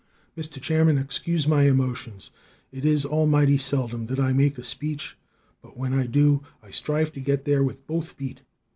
"Mr. Chairman, excuse my emotion! It is almighty seldom that I make a speech, but when I do, I strive to get there with both feet.